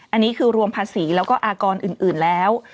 อันนี้คือรวมภาษีแล้วก็อากรอื่นแล้ว